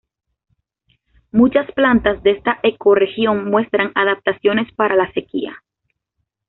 Muchas plantas de esta ecorregión muestran adaptaciones para la sequía.